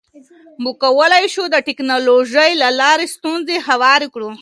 موږ کولی شو د ټکنالوژۍ له لارې ستونزې هوارې کړو.